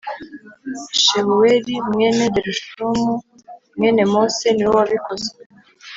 Shebuweli mwene Gerushomu mwene Mose ni we wabikoze